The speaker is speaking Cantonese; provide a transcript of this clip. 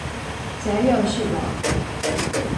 這樣說來，